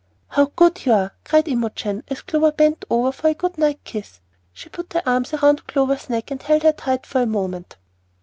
"How good you are!" exclaimed Imogen, as Clover bent over for a good night kiss. She put her arms round Clover's neck and held her tight for a moment.